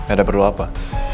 ada perlu apa